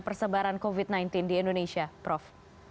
persebaran covid sembilan belas di indonesia prof